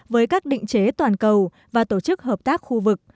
với các định chế toàn cầu và tổ chức hợp tác khu vực